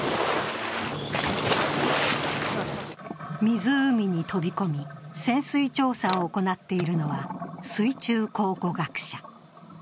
湖に飛び込み潜水調査を行っているのは水中考古学者。